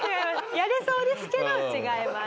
やれそうですけど違います。